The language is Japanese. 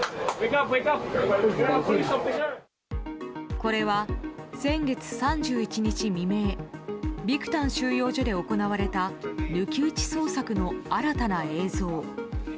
これは、先月３１日未明ビクタン収容所で行われた抜き打ち捜索の新たな映像。